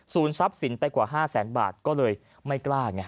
ทรัพย์สินไปกว่า๕แสนบาทก็เลยไม่กล้าไง